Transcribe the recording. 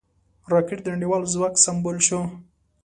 راکټ د نړیوال ځواک سمبول شو